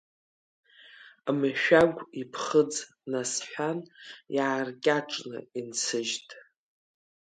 Мшәагә иԥхыӡ насҳәан, иааркьаҿны инсыжьт.